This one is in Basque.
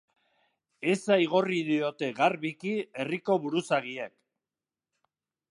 Eza igorri diote garbiki herriko buruzagiek.